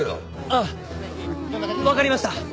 あっわかりました。